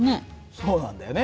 そうなんだよね。